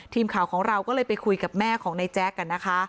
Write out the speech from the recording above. ทีมข่าวของเราก็เลยไปคุยกับแม่ของนายแจ๊คนะคะ